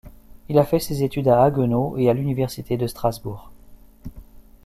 Il fait ses études à Haguenau et à l'Université de Strasbourg.